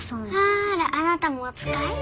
あらあなたもおつかい？